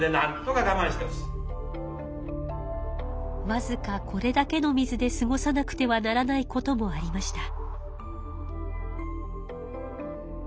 わずかこれだけの水で過ごさなくてはならないこともありました。